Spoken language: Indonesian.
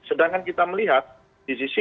sedangkan kita melihat di sisi